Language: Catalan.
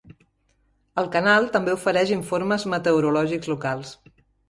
El canal també ofereix informes meteorològics locals.